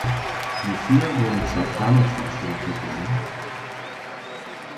Hierfür wurden zwar Planungsleistungen vergeben.